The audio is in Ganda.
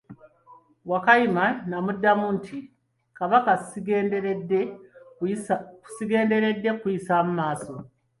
Wakayima n'amuddamu nti, Kabaka, sigenderedde kuyisaamu maaso.